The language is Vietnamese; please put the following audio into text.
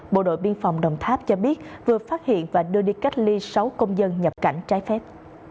bộ đội biên phòng đồng tháp cho biết vừa phát hiện và đưa đi cách ly sáu công dân nhập cảnh trái phép